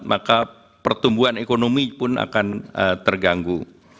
maka pertumbuhan ekonomi pun akan terganggu